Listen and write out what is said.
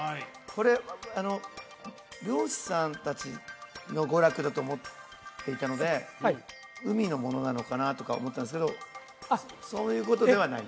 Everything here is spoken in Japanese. これ漁師さん達の娯楽だと思っていたので海のものなのかなとか思ってたんですけどそういうことではない？